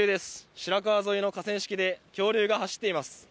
白川沿いの河川敷で恐竜が走っています。